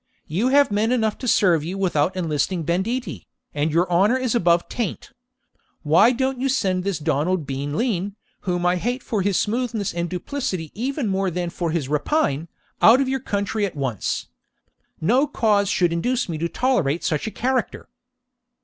You have men enough to serve you without enlisting banditti, and your own honour is above taint. Why don't you send this Donald Bean Lean, whom I hate for his smoothness and duplicity even more than for his rapine, out of your country at once? No cause should induce me to tolerate such a character.'